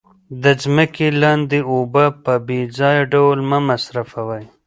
د ځمکې لاندې اوبه په بې ځایه ډول مه مصرفوئ.